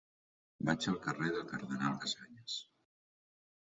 Vaig al carrer del Cardenal Casañas.